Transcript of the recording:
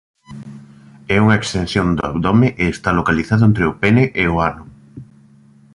É unha extensión do abdome e está localizado entre o pene e o ano.